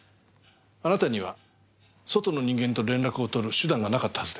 あなたには外の人間と連絡を取る手段がなかったはずでは？